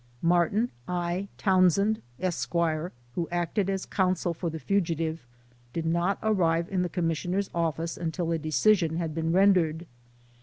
Martin I. Townsend, Esq., who acted as counsel for the fugitive, did not arrive in the Commissioner's office until a decision had been rendered.